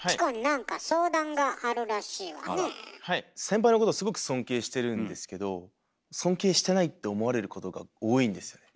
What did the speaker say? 先輩のことすごく尊敬してるんですけど尊敬してないって思われることが多いんですよね。